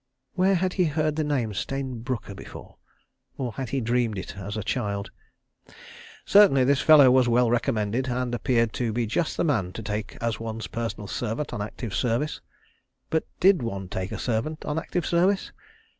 (Where had he heard the name Stayne Brooker before—or had he dreamed it as a child?) Certainly this fellow was well recommended, and appeared to be just the man to take as one's personal servant on active service. But did one take a servant on active service?